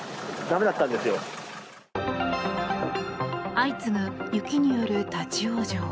相次ぐ雪による立ち往生。